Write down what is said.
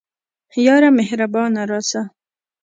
یاره مهربانه راسه